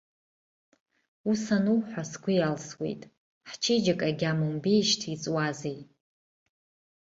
Ус ануҳәа, сгәы иалсуеит, ҳчеиџьыка агьама умбеижьҭеи иҵуазеи.